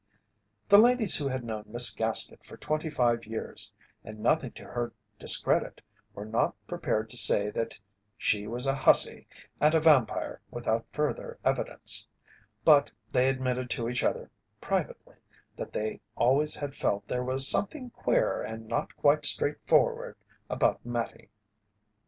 The ladies who had known Miss Gaskett for twenty five years, and nothing to her discredit, were not prepared to say that she was a huzzy and a vampire without further evidence, but they admitted to each other privately that they always had felt there was something queer and not quite straightforward about Mattie.